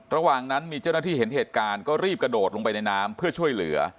ระหว่างนั้นมีเจ้าหน้าที่เห็นเหตุการณ์ก็รีบกระโดดลงไปในน้ำเพื่อช่วยเหลือ